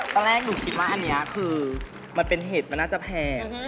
ตอนแรกหนูคิดว่าอันเนี่ยคือเป็นเห็ดน่าจะแพร่